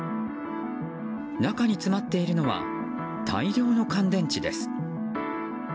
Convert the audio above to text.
中に詰まっているのは大量の乾電池です。